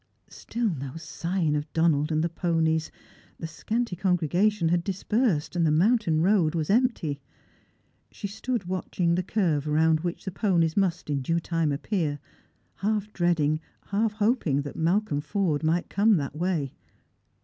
Still no sign of Donald and the ponies. The scanty congre gation had dispersed; the mountain road was empty. She stood watching the curve round which the ponies must in due tijne appear, half dreading, half hoping that Malcolm Forde might come that way.